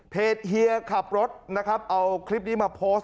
เฮียขับรถนะครับเอาคลิปนี้มาโพสต์